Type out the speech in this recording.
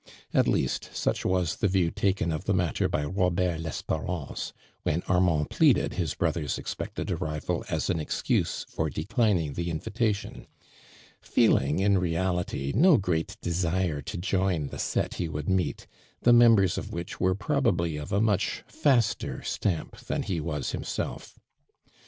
At least such was the view taken of the matter by Robert Losperance, when Ar mand pleaded his brother's expected arrival as an excuse for declining the invitation, feeling, in reality, no great desire to join the set ho wouUl meet, the members of which were probably of a much faster stamp than he was himself.